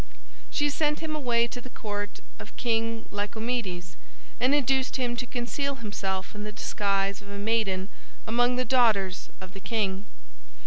She sent him away to the court of King Lycomedes, and induced him to conceal himself in the disguise of a maiden among the daughters of the king.